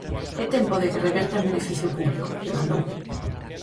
"É tempo de que reverta en beneficio público", demandou.